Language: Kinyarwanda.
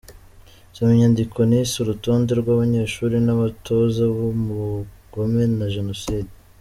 Soma inyandiko nise ‘Urutonde rw’Abanyeshuri n’Abatoza b’Ubugome na Jenoside’.